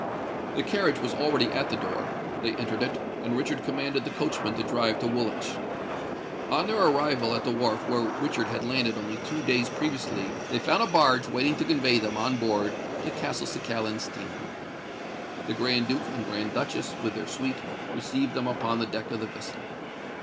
The carriage was already at the door: they entered it; and Richard commanded the coachman to drive to Woolwich. On their arrival at the wharf where Richard had landed only two days previously, they found a barge waiting to convey them on board the Castelcicalan steamer. The Grand Duke and Grand Duchess, with their suite, received them upon the deck of the vessel.